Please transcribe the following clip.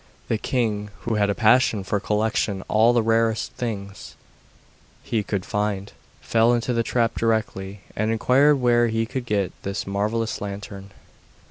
The king, who had a passion for collection all the rarest things he could find, fell into the trap directly, and inquired where he could get this marvellous lantern.